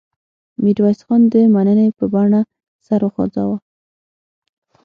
میرویس خان د مننې په بڼه سر وخوځاوه.